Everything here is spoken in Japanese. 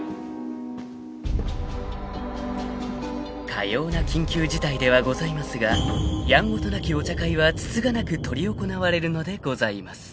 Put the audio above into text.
［かような緊急事態ではございますがやんごとなきお茶会はつつがなく執り行われるのでございます］